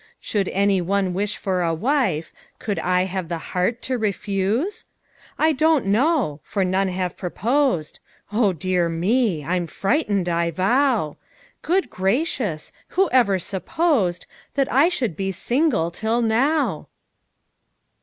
Should any one wish for a wife, Could I have the heart to refuse? I don't know for none have proposed Oh, dear me! I'm frightened, I vow! Good gracious! who ever supposed That I should be single till now?